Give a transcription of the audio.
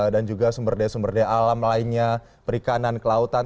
dan juga sumber daya sumber daya alam lainnya perikanan kelautan